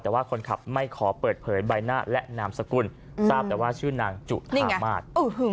แต่ว่าคนขับไม่ขอเปิดเผยใบหน้าและนามสกุลทราบแต่ว่าชื่อนางจุธามาศ